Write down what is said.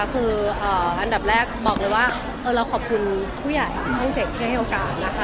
คืออันดับแรกบอกเลยว่าเราขอบคุณผู้ใหญ่ช่อง๗ที่ให้โอกาสนะคะ